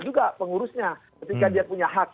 juga pengurusnya ketika dia punya hak